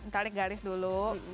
tarik garis dulu